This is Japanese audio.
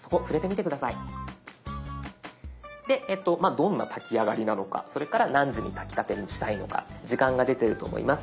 どんな炊き上がりなのかそれから何時に炊きたてにしたいのか時間が出てると思います。